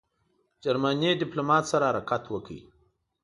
جرمني ډیپلوماټ سره حرکت وکړ.